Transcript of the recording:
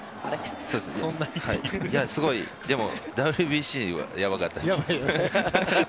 でもＷＢＣは、やばかったです。